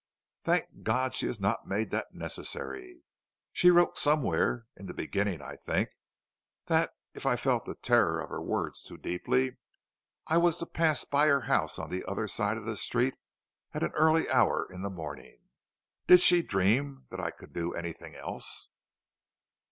"Thank God she has not made that necessary. She wrote somewhere, in the beginning, I think, that, if I felt the terror of her words too deeply, I was to pass by her house on the other side of the street at an early hour in the morning. Did she dream that I could do anything else?"